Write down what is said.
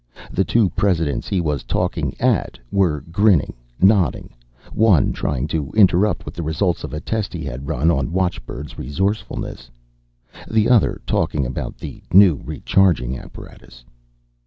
The two presidents he was talking at were grinning, nodding, one trying to interrupt with the results of a test he had run on watchbird's resourcefulness, the other talking about the new recharging apparatus.